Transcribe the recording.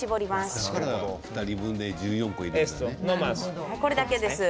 だから、２人分で１４個いるんだね。